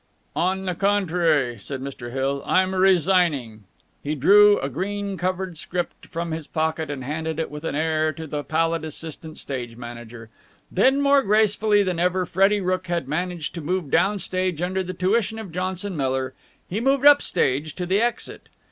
"On the contrary," said Mr. Hill, "I'm resigning." He drew a green covered script from his pocket and handed it with an air to the pallid assistant stage director. Then, more gracefully than ever Freddie Rooke had managed to move down stage under the tuition of Johnson Miller, he moved up stage to the exit.